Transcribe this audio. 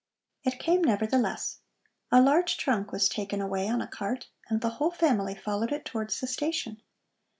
It came, nevertheless. A large trunk was taken away on a cart, and the whole family followed it towards the station.